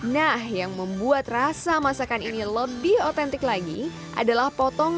nah yang membuat rasa masakan ini lebih otentik lagi adalah potongan